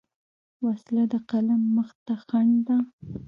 وسله د قلم مخ ته خنډ ده